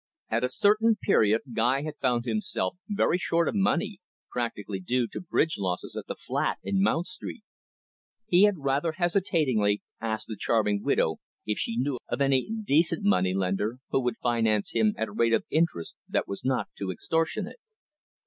At a certain period, Guy had found himself very short of money, practically due to bridge losses at the flat in Mount Street. He had rather hesitatingly asked the charming widow if she knew of any decent moneylender, who would finance him at a rate of interest that was not too extortionate.